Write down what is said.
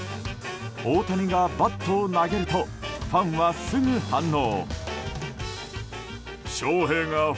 大谷がバットを投げるとファンはすぐ反応。